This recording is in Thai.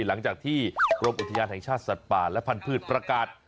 หลังจากที่กรมอุทยานแห่งชาติสัตว์ป่าและพันธุ์ประกาศ